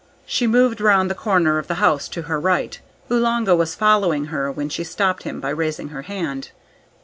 She moved round the corner of the house to her right. Oolanga was following her, when she stopped him by raising her hand.